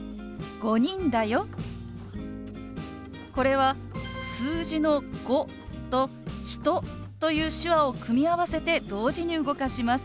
これは数字の「５」と「人」という手話を組み合わせて同時に動かします。